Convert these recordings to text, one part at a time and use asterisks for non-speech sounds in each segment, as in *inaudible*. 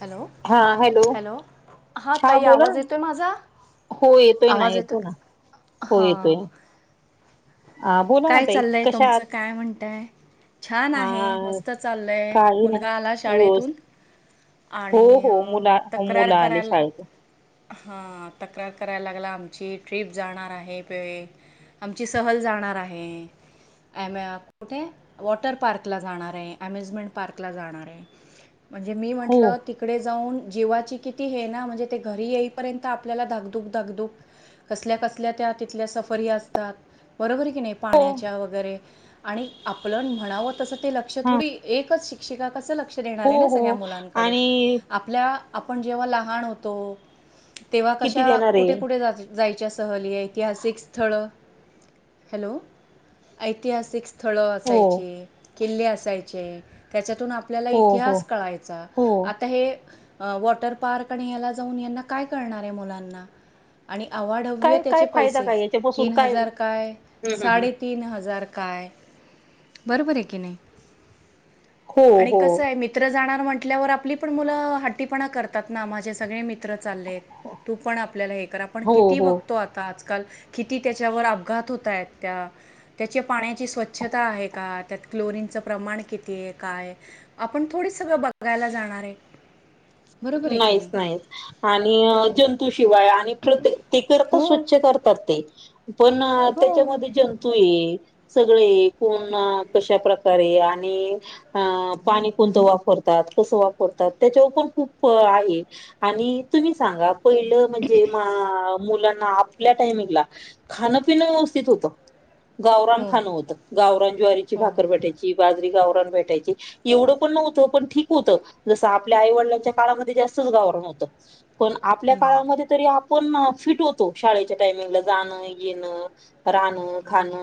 Hello, hello. हा ताई, आवाज येतोय माझा? हो, येतोय ना. आवाज येतोय येतो ना. हो, येतोय. हां अ बोला ना काय, ताई चाललंय कशा आहात तुमचं? काय म्हणताय? छान आहे. अ मस्त चाललंय. काही नाही मुलगा आला रोज शाळेतून. हो हो आणि मुला तक्रार मुलं आले करायल शाळेत हा, तक्रार करायला लागला आमची. ट्रीप जाणार आहे. पि आमची सहल जाणार आहे. ॲमे, कुठे? वॉटर पार्कला जाणारय. अम्युजमेंट पार्क ला जाणारय. म्हणजे, मी हो म्हंटल तिकडे जाऊन, जीवाची किती हे ना. म्हणजे, ते घरी येईपर्यंत आपल्याला, धकधुक धगधुक. कसल्या - कसल्या त्या, तिथल्या सफरी असतात. बरोबरय की नाही. हो पाण्याच्या वगैरे. आणि आपलं म्हणावं तसं, ते लक्ष हा थोडी. एकच शि शिक्षिका कसं लक्ष हो देणारय ना? हो सगळ्या मुलांकडे. आणि आपल्या, आपण जेव्हा लहान होतो. तेव्हा किती कशा? देणार कुठे - आहे कुठे जात जायच्या सहली. ऐतिहासिक स्थळं, हॅलो. ऐतिहासिक स् स्थळं हो असायचे. किल्ले असायचे. त्याच्यातून आप आपल्याला, हो हो इतिहास कळायचा. हो आता हे, अ वॉटर पार्क आणि याला जाऊन, यांना काय कळणारय, मुलांना. आणि आवाढव्य काय काय त्याचे फायदा पैसे. काय याच्यापासून तीन काय हजार काय, हम्म हम्म हम्म साडे तीन हजार काय? बरोबरय की, नाही. हो आणि हो कसंय, मित्र जाणार म्हटल्यावर. आपली पण मुलं हट्टीपणा करतात ना. माझे सगळे मित त्र चाललेत. तू पण आपल्याला हे कर. आपण हो किती हो बघतो आताच. काल. किती, त्याच्यावर अपघात होतायत? त्या त्याची पाण्याची स्वच्छता आहे का? त्यात क्लोरीनचं प्रमाण कितीय? काय? आपण, थोडी सगळं बघायला जाणारय. नाहीच, नाहीच. आणि जंतूशिवाय आणि प्रते करता, हो स्वच्छ करतात ते. पण हो त्याच्यामध्ये जंतूये. सगळये. कोण, कशा प्रका रे आणि आ पाणी कोणतं वापरतात? कस वापरतात? त्याच्यावर पण खूप प आहे. आणि तुम्ही सांगा. पहिलं म्हणजे मा मुलांना, आपल्या टाइमिंगला. खाणं- पिणं व्यवस्थित होतं. गावरान हो खान होतं, गावरान ज्वारीची हो भाकरपट्याची ची बाजरी गावरान भेटायची एवढं पण नव्हतं पण ठीक होतं जस आपल्या आईवडिलांच्या काळामध्ये जास्तच गावरान होत पण आपल्या हं, काळामध्ये आपण फिट होतो शाळेच्या टायमिंगला जान-येन रा अ खान हं,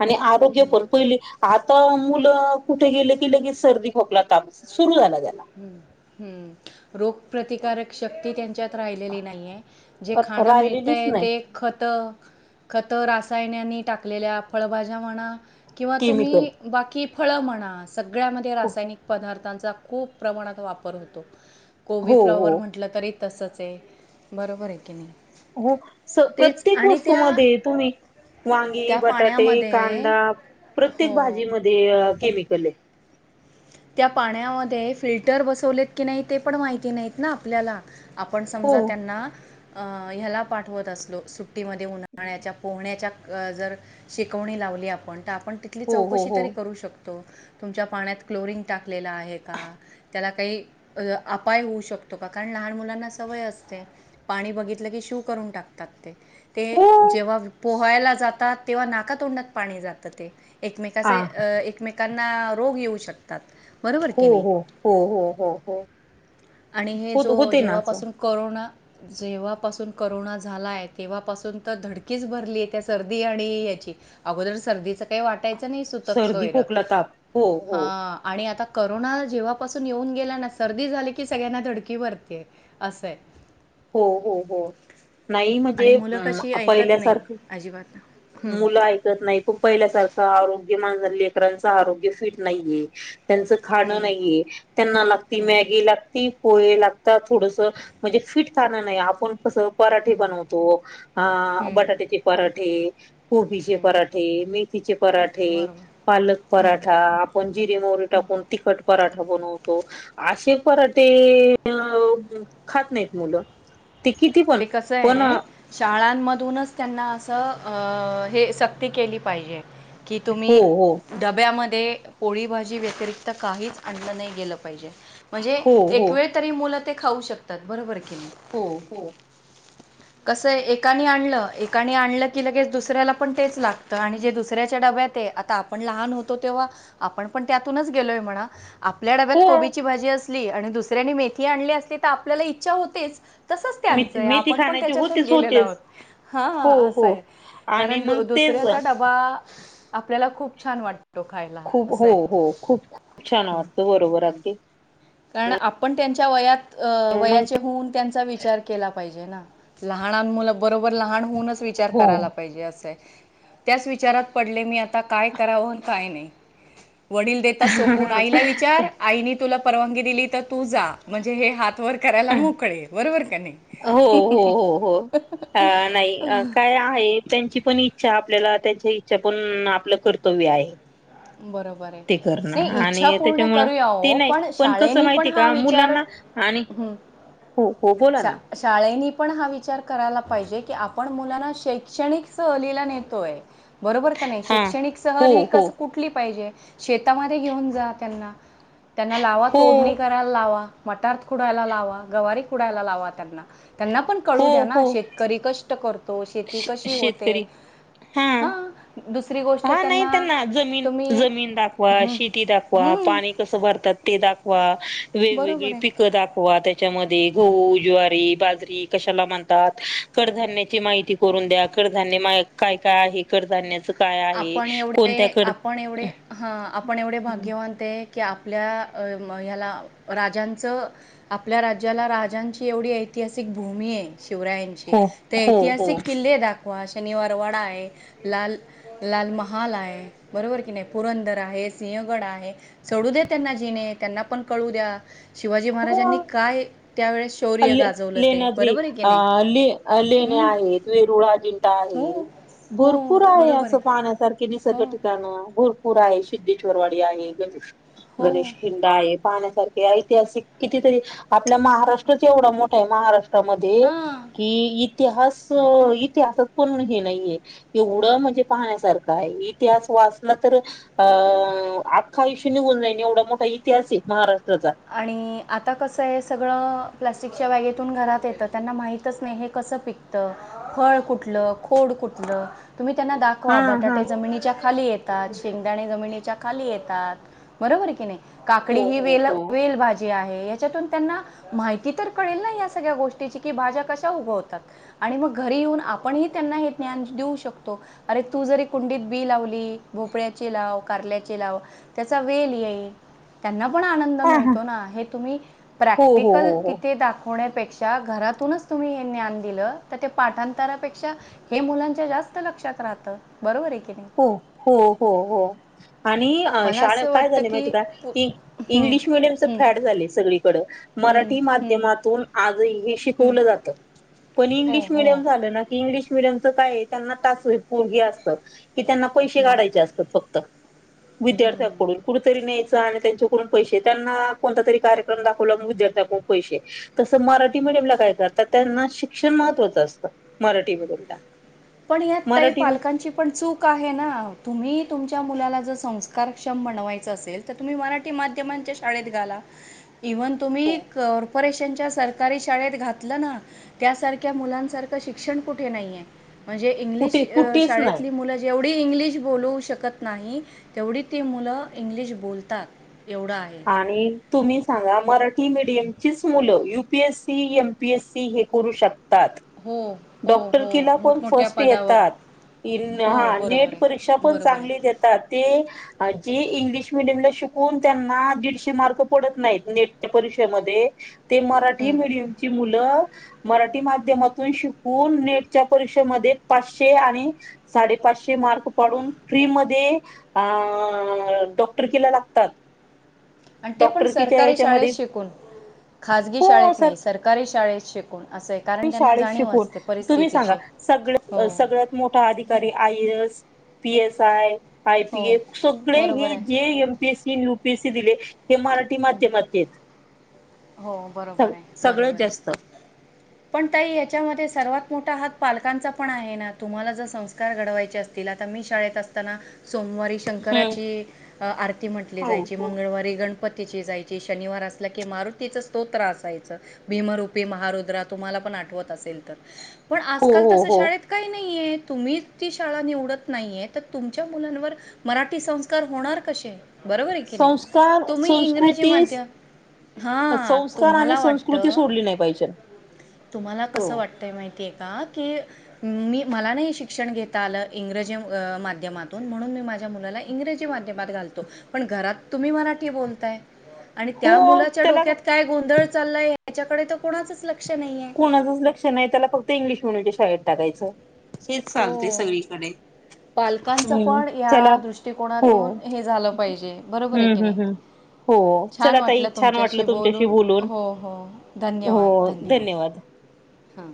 आणि आरोग्य हं. पण पहिले आता मुलं कुठे गेले की लगेच सर्दी, खोकला, ताप सुरू झाला त्याला हम्म-हम्म, रोग प्रतिकारक शक्ती त्यांच्यात राहिलेली नाहीये. जे खाणं राहिलेलीच मिळतंय नाही ते खत-खत रासायनानी टाकलेल्या फळभाज्या म्हणा किंवा केमिकल तुम्ही बाकी फळं म्हणा सगळ्यामध्ये रासायनिक पदार्थांचा खूप प्रमानात वापर होतो कोबी, हो फ्लावर हो म्हन म्हटलं तरी तसंच आहे बरोबर आहे कनी. हो, स-प्रत्येक वस्तूमध्ये तुम्ही वांगी, त्या बटाटे, पाण्यामध्ये कांदा प्रत्येक हो. भाजीमध्ये केमिकल आहे. त्या पाण्यामध्ये फिल्टर बसवलेत की नाही ते पण माहिती नाहीत ना आपल्याला आपण हो समजा त्यांना अ-ह्याला पाठवत असलो सु ट्टीमध्ये उन्हाळ्याच्या पोहण्याच्या जर शिकवणी लावली आपण तर आपण तिथली हो हो चौकशी हो. तरी करू शकतो तुमच्या पाण्यात क्लोरीन टाकलेला आहे का? त्याला काही अपाय होऊ शकतो का कारण लहान मुलांना सवय असते. पाणी बघितलं की शू करून टाकतात ते हो ते जेव्हा पोहायला जातात तेव्हा नाकातोंडात पाणी जात ते आ एकमेकाचे एकमेकांना रोग येऊ शकतात बरोबर कनी. हो-हो-हो-हो-हो, आणि हे जो होते-होते ना असं, जेव्हापासून करोना जेव्हापासून करोना झाला आहे, तेव्हापासून तर धडकीच भरली आहे, त्या सर्दी आणि याची अगोदर सर्दीच काही वाटायचं नाही सुतक सर्दी, सोयरं खोकला, ताप हो हो हा आणि आता करोना जेव्हापासून येऊन गेला ना सर्दी झाली की सगळ्यांना धडकी भरतीय असं आहे. हो-हो-हो, नाही आणि म्हणजे मुलं कशी ऐकत नाही पहिल्यासारखं अजिबात ना मुलं आहेत ऐकत नाही खुप पहिल्यासारख आरोग्य माजर लेकरांच आरोग्य फिट नाहीये त्यांच खान हं, नाहीये, त्यांना लागती हं. मॅगी लाग ती पोहे लागतात थोडस म्हणजे फिट खाणं नाहीये आपण कसं पराठे बनवतो, हम्म, ह-बटाट्याचे पराठे कोबीचे हम्म, पराठे, मेथीचे पराठे बरोबर पालक हम्म. पराठा आपण जिरे, मोहरी टाकून तिखट पराठा बनवतो असे पराठे खात नाहीत मुलं ते किती पण ते कसं पण आहे शाळांमधूनच त्यांना असं अं हे सक्ती केली पाहिजे. की हो तुम्ही हो डब्यामध्ये पोळी भाजी व्यतिरिक्त काहीच आणलं नाही गेलं पाहिजे. म्हणजे हो हो एक वेळ तरी मुलं ते खाऊ शकतात बरोबर आहे कनी. हो-हो, कसं एकाने आणलं एकाने आणलं की लगेच दुसऱ्याला पण तेच लागतं आणि जे दुसऱ्याच्या डब्यात आहे आता आपण लहान होतो तेव्हा आपण पण त्यातूनच गेलोय म्हणा आपल्यां डब्यांत हो कोबीची भाजी असली आणि दुसऱ्यांनी मेथी आणली असली तरं आपल्यांला ईच्छा होतेचं तसंच मेथी त्यांचं मेथी आपणं खाण्याची त्यांच्यातून होतेच गेलेल्या होतेच हो हां हो असतं आणि कारणं मग दुसऱ्यांचा तेच डब्बा डब्बा आपल्यांला खूंप छान वाटत खूंप हो हो खूंप खूंप छान वाटतो बरोबर अगदीं कारणं आपणं त्यांच्या वयांत मग वयाचे होऊन त्यांचा विचार केला पाहिजे लहान मुलं बरोबर लहांन होऊनचं विचार हो करायंला पाहिजे असं त्यांचं विचारांत पडले मी आंता कायं करावं कायं नाहीं वडील देतां सोपूंन आईला विचार आईने तुलां परवानगी दिली तरं तु जां म्हणजे हे हात वरं करायंला मोकळे बरोबर कां नाहीं हो हो हो हो नाहीं कायं आहे त्यांची पणं ईच्छा आपल्यांला त्यांच्या ईच्छा पणं आपलं कर्तव्य आहे बरोबर आहे ते करणं नाही इच्छा आणि पूर्ण त्यांच्यामुळे करूया ते हो नाहीं पण पणं कसं शाळेनी पण माहितीय हा कां विचार मुलांना आणि हं. हो हो बोलां शा नां शाळेनी पणं हां विचार करायंला पाहिजे की आपणं मुलांना शैक्षणिक सहलीला नेतो आहे बरोबर कि नाहीं हा शैक्षणिक हो सहल हो कसं कुंठली पाहिजे शेतांमध्ये घेऊन जां त्यांना त्यांनां लांवा हो तोडणी कां लांवा मांर कुंडयला लांवा जवारी कुंडयला लांवा त्यांनाण कळूं हो द्यां नां हो शेतकरी कंष्ट करतो शेती कशी होते शेतकरी हा हां दुसरी गोष्ट हा नाही त्यांना तुम्ही जमीन दाखवां हं, शेती दाखवां हं, पाणी असं भरतांत ते दाखवां वेगवेगळी बरोबर आहे पिकं दाखवां त्यांच्यामध्ये गोहू ज्वारी बाजरी कशांला म्हनतांत कडधान्यांची माहिती करूंन द्यां कडधांन्य कायं कायं आहे कडधान्यांची आपणं एवढे आपणं एवढे हां आपणं एवढे भाग्यंवान ते की आपल्यां ह्यांला राजांचं आपल्यां राज्यांला राजांची एवढी ऐतिहासिक भूमी आहे शिवरायांची हो ते हो हो ऐतिहासिक किल्ले दाखवां शनिवारवाडा आहे लाल लाल महांल आहे बरोबर की नाहीं पुरंदर आहे सिंहगड आहे कढूं दे्यां त्यांना जिणे त्यांना पणं कळूं द्यां शिवाजी महाराजांनी हो कायं त्यांवेेळेस शौर्य ले गाजवलं ते बरोबर आहे की नाहीं लेण्यां आहेतं वेरुळा जिंटा हो, आहे हो, भरंपूर आहे बरोबर असं पाहण्यांसारख किती सगळं हो, ठिकाणं भरंपूर आहे सिद्धेश्वरवाडी आहे गणेश गणेश हो. कि गं आहे पाहण्यांसारखे ऐतिहासिक कितीतरी आपल्यां महाराष्ट्राचं एवढां मोठां आहे महारांष्ट्र मं हां. कि इतिहास इतिहासांत पणं हे नाहीये एवढं म्हणजे पाहण्यांसारखं आहे इतिहास वाचलां तरं अ आंजख आयुष्य निघूनं जाई एवढां मोठां इतिहास आहे महाराष्ट्राचां आणि आंता कसं आहे सगळं प्लास्टिकच्या बॅगेतून घरांत येतं त्यांना माहितच नाहीं कसं पिकतं फळं कुठलं खोडं कुठलं तुम्हीं त्यांना दाखवां हा दाखवां हा. बटाटे जमिनीच्यां खाली येतांत शेंगदाणे जमिनीच्यां खाली येतांत बरोबर की नाहीं काकडी हो ही हो वेल हो. वेल भाजी आहे यांच्यातून त्यांना माहिती तरं कळेल नां यां सगळ्यां गोष्टीची की भाज्या कश्या उगवतांत आणि मंग घरी येऊंन आपणंही त्यांना हे ज्ञान देऊ शकतो अरे तूं जरी कुंडीत बी लावली भोपळ्याची लांव कारल्यांची लांव त्यांचा वेल येईल त्यांनां पणं आनंद हा *unintelligible* आहे तुम्ही हो हो प्रँक्टिकल किती दाखव- ण्यापेक्षा घरातूनच तुम्ही हे ज्ञान दिलं, तर ते पाठांतरापेक्षा- हे मुलांच्या जास्त लक्षात राहत, बरोबर आहे की नाही? हो, हो, हो, हो आणि मला शाळात असं काय वाटतं झाली माहिती की का? पु- ती- हम्म, इंग्लिश मिडियमच हम्म, फॅड झालय सगळीकड, हम्म, मराठी हम्म, माध्यमातून- आज इंग्लिश हम्म. शिकवलं जात, पण हो इंग्लिश हो मिडियम झाल ना की इंग्लिश - मिडीयमच काय त्यांना तास *unintelligible* असत की त्यांना पैसे हम्म, काढायचे असतात फक्त. हम्म. विद्यार्थ्यांकडून. कुठेतरी न्याय- च, आणायच, त्यांच्याकडून पैशे, त्यांना कोणता तरी कार्यक्रम दाखवला की विद्यार्थ्याकडून पैशे. तसं मराठी मीडियमला काय करतात, त्यांना शिक्षण महत्वाचं असतं मराठी मडियमला. पण यात ताई पालकांची पण चूक आहे ना, तुम्ही तुमच्या मुलाला जस- संस्कारक्षम म्हनवायच असेल तर, तुम्ही मराठी माध्यमांच्या शाळेत घाला. इव्हन तुम्ही क- रेशनच्या सरकारी शाळेत घातलं ना, त्यासारख्या मुलांसारखं शिक्षण कुठे नाहीये. म्हणजे इंग्लिश कुठे कुठेच नाही शाळेतली मुल- जेवढी इंग्लिश बोलवू शकत नाही, तेवढी ती मुलं इंग्लिश बोलतात. एवढा आहे. आणि तुम्ही सांगा, मराठी मिडियमचीच मुलं U P S C, M P S C हे करू शक- तात. हो. हो हो डॉक्टरकिला पण मोठमोठ्या फर्स्ट पदावर येतात, हो हा बरोबर नीट परीक्षा आहे पण बरोबर चांगली आहे देता- त, ते- आज जी इंग्लिश मिडियमला शिकून त्यांना दीडशे मार्क पडत नाहीत, नेटच्या परीक्षेमध्ये- ते मराठी हं. मिडियमची मुलं मराठी माध्यमातून शिक- हो, नेटच्या परीक्षेमध्ये पाचशे आणि- साडेपाचशे मार्क पाडून फ्रि मधे- आ.... डॉक्टरकिला लागतात. आणि ते पण डॉक्टरकीच्या सरकारी शाळेत याच्यामध्ये शिकून, खाजगी हो शाळेत सर नाही. सरकारी शाळेत शिकून असं एक- शाळेत शिकून, तुम्ही सांगा सगळ हो सगळं- मोठा अधिकारी I A S, P S I- I P हो ए सगळे बरोबर हे जे आहे एम- पी ए सी आणि यू पी ए सी दिले, हे मराठी माध्यमातली आहेत. हो. बरोबर सग आहे सगळंच बरोबर आहे जास्त- *inaudible* पण ताई याच्यामध्ये सर्वात मोठा हात पालकांचा पण आहे ना, तुम्हाला जर संस्कार घडवायचे अस- तीला तर मी शाळेत असताना सोमवारी- हम्म. शंकराची आरती म्हटली हो जायची, हो मंगळवारी गण- पतीची जायची, शनिवार असला की मारुत- तिच स्तोत्र असायचं, भीमरूपी महारुद्र तुम्हाला पण आठवत असेल तर. पण हो आजकाल हो तसं हो शाळेत- काही नाहीये, तुम्ही ती शाळा निवडत नाहीये, तर तुमच्या मुलांवर- मराठी संस्कार होणार कसे? बरोबर आहे की नाही, संस्कार तुम्ही इंग्रजी संस्कृती माध्यम- हा, संस्कार आणि तुम्हाला वाटत, संस्कृती सोडली नाही पाहिजे तुम्हाला हो कसं वाटत- ते माहितीय का की मी मला नाही शिक्षण घेता आलं इंग्रजी माध्यमातून, म्हणून मी माझ्या मुलाला इंग्रजी माध्यमात घालतो, पण घरात तुम्ही मराठी बोलताय आणि हो त्या मुलाच्या त्याला डोक्यात काय गोंधळ चाललाय ह्याच्याकडे तर कोणाचच लक्ष नाहीेये. तसं नाही त्याला फक्त इंग्लिश मडियमच्या शाळेत टाकायचं हेच चालतय सगळीकडे. पालकांच हम्म पण या चला दृष्टीकोनातून हो हे झालं पाहिजे, बरोबर हम्म की नही? हम्म हम्म हो छान चला ताई वाटलं छान वाटलं तुमच्याशी बोलून, हो हो धन्यवाद धन्यवाद. हां.